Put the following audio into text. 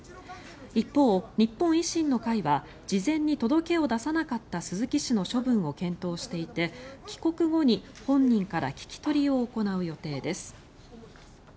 一方、日本維新の会は事前に届けを出さなかった鈴木氏の処分を検討していて帰国後に本人から聞き取りを行う予定です。